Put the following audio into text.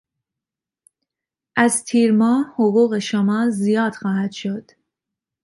از تیرماه، حقوق شما زیاد خواهد شد.